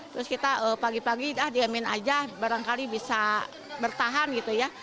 terus kita pagi pagi dah diamin aja barangkali bisa bertahan gitu ya